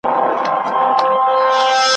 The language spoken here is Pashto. لا د لښتو بارانونه وي درباندي `